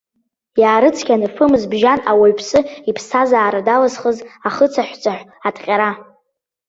Иаарыцқьаны фымз бжьан ауаҩԥсы иԥсҭазаара далызхыз ахыцаҳәцаҳә аҭҟьара.